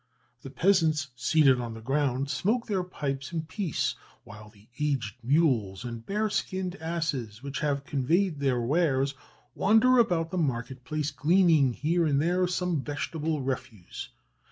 "The peasants, seated on the ground, smoke their pipes in peace, while the aged mules and bare skinned asses, which have conveyed their wares, wander about the market place, gleaning here and there some vegetable refuse.